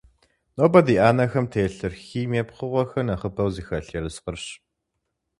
Нобэ ди Ӏэнэхэм телъыр химие пкъыгъуэхэр нэхъыбэу зыхэлъ ерыскъырщ.